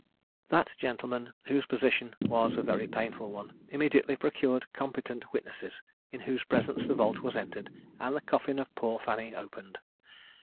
That gentleman, whose position was a very painful one, immediately procured competent witnesses, in whose presence the vault was entered, and the coffin of poor Fanny opened.